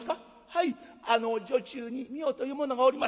「はいあの女中にみよという者がおります」。